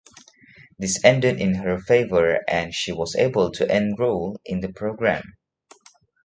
This ended in her favor and she was able to enroll in the program.